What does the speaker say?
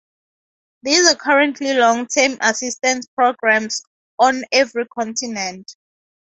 There are currently long-term assistance programs on every continent.